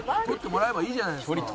「撮ってもらえばいいじゃないですか」